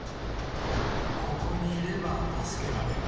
ここにいれば助けられる。